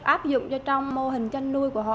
áp dụng cho trong mô hình chăn nuôi của họ